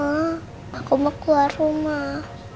aku mau keluar rumah